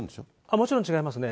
もちろん違いますね。